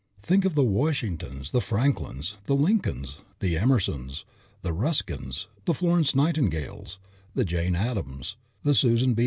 Think of the Washingtons, the Franklins, the Lincolns, the Emersons, the Ruskins, the Florence Nightingales, the Jane Addams, the Susan B.